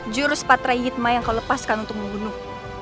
juru sepatra yitma yang kau lepaskan untuk membunuh